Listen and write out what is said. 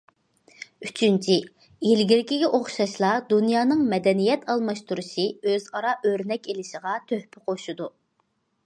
ئۈچىنچى، ئىلگىرىكىگە ئوخشاشلا دۇنيانىڭ مەدەنىيەت ئالماشتۇرۇشى، ئۆزئارا ئۆرنەك ئېلىشىغا تۆھپە قوشىدۇ.